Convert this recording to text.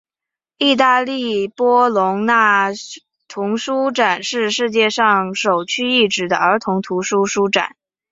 意大利波隆那童书展是世界上首屈一指的儿童图书书展。